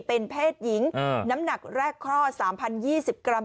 เป็นเพศหญิงน้ำหนักแรกคลอด๓๐๒๐กรัม